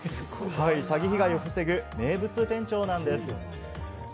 詐欺被害を防ぐ名物店長なんです。